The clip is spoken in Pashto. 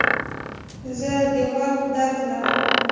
زه د غوږ درد لرم.